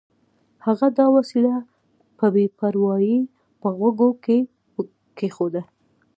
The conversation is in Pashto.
هغه دا وسیله په بې پروایۍ په غوږو کې کېښوده